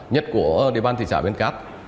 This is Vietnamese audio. nhất của địa bàn thị xã bến cát